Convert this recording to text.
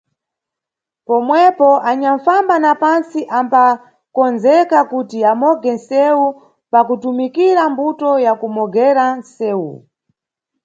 Pomwepo anyanʼfamba na pantsi ambakondzeka kuti amoge nʼsewu pakutumikira mbuto ya kumogera nʼsewu.